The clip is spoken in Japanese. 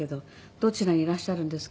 「どちらにいらっしゃるんですか？」。